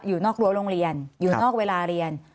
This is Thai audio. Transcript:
อยู่นอกรั้วโรงเรียนอยู่นอกเวลาเรียน